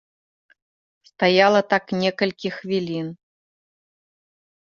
Стаяла так некалькі хвілін.